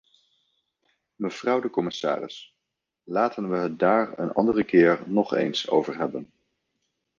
Mevrouw de commissaris, laten we het daar een andere keer nog eens over hebben.